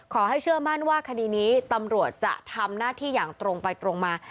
เชื่อมั่นว่าคดีนี้ตำรวจจะทำหน้าที่อย่างตรงไปตรงมา